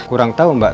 kurang tau mbak